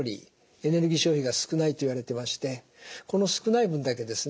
エネルギー消費が少ないといわれてましてこの少ない分だけですね